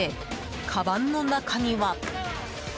かばんの中には。